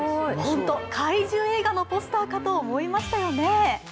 ほんと怪獣映画のポスターかと思いましたよね。